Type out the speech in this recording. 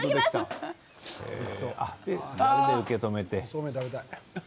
そうめん食べたい。